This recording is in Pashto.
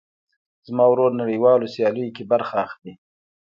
زما ورور نړيوالو سیاليو کې برخه اخلي.